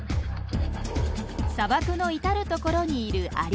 砂漠の至る所にいるアリ。